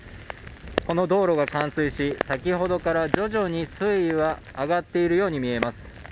この道路が冠水し、先ほどから徐々に水位は上がっているように見えます。